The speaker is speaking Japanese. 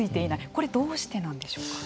これどうしてなんでしょうか。